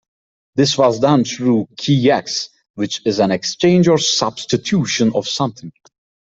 This was done through "k'ex", which is an exchange or substitution of something.